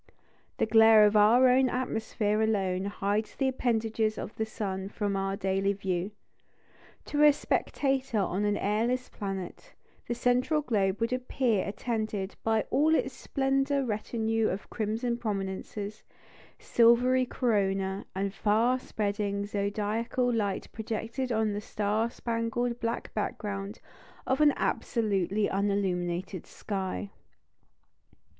The glare of our own atmosphere alone hides the appendages of the sun from our daily view. To a spectator on an airless planet, the central globe would appear attended by all its splendid retinue of crimson prominences, silvery corona, and far spreading zodiacal light projected on the star spangled black background of an absolutely unilluminated sky.